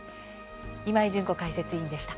今井純子解説委員でした。